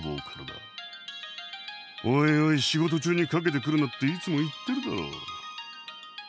おいおい仕事中にかけてくるなっていつも言ってるだろ。